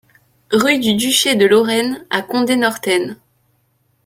Rue du Duché de Lorraine à Condé-Northen